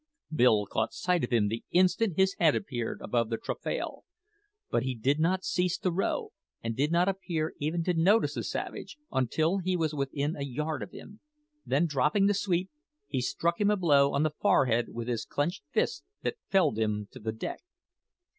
Bill caught sight of him the instant his head appeared above the taffrail. But he did not cease to row, and did not appear even to notice the savage until he was within a yard of him; then dropping the sweep, he struck him a blow on the forehead with his clenched fist that felled him to the deck.